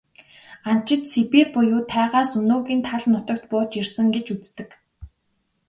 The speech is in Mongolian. Анчид Сибирь буюу тайгаас өнөөгийн тал нутагт бууж ирсэн гэж үздэг.